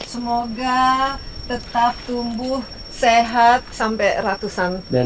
semoga tetap tumbuh sehat sampai ratusan